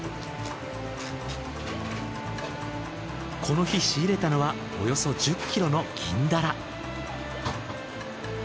この日仕入れたのはおよそ１０キロのギンダラ。